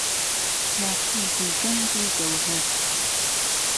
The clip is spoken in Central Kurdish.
یاقووت و گهنج و گهوهەر